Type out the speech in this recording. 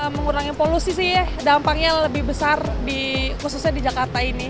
mengurangi polusi sih dampaknya lebih besar khususnya di jakarta ini